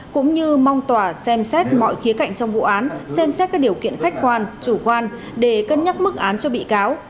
cũng như mong tòa xem xét mọi khía cạnh trong vụ án xem xét các điều kiện khách quan chủ quan để cân nhắc mức án cho bị cáo